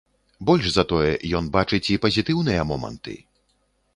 Больш за тое ён бачыць і пазітыўныя моманты.